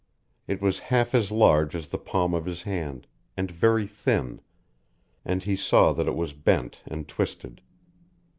It was half as large as the palm of his hand, and very thin, and he saw that it was bent and twisted.